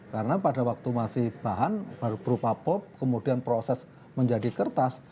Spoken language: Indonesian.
karena pada waktu masih bahan baru berupa pop kemudian proses menjadi kertas